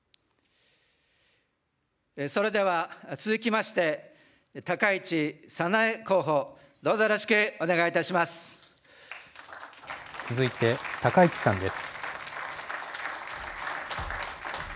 それでは続きまして、高市早苗候補、どうぞよろしくお願いい続いて高市さんです。